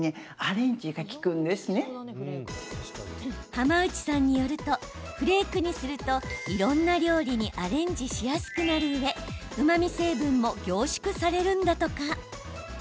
浜内さんによるとフレークにするといろんな料理にアレンジしやすくなるうえうまみ成分も凝縮されるんだとか。